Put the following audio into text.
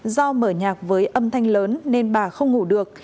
do mở nhạc với âm thanh lớn nên bà không ngủ được